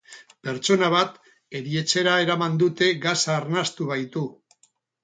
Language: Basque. Pertsona bat erietxera eraman dute, gasa arnastu baitu.